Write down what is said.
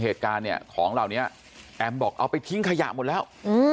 เหตุการณ์เนี่ยของเหล่านี้แอมบอกเอาไปทิ้งขยะหมดแล้ว